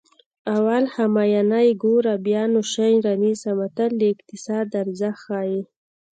اول همیانۍ ګوره بیا نو شی رانیسه متل د اقتصاد ارزښت ښيي